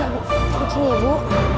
duduk sini ya bu